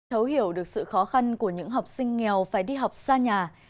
thấu hiểu được sự khó khăn của những học sinh nghèo phải đi học xa nhà